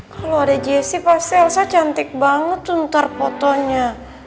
kalo ada jesi pasti elsa cantik banget tuh ntar fotonya